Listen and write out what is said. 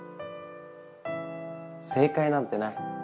正解なんてない。